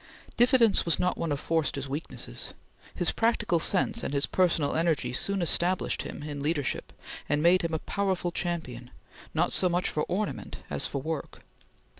Diffidence was not one of Forster's weaknesses. His practical sense and his personal energy soon established him in leadership, and made him a powerful champion, not so much for ornament as for work.